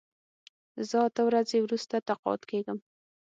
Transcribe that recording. زه اته ورځې وروسته تقاعد کېږم.